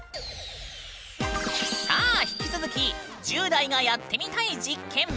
さあ引き続き「１０代がやってみたい実験」。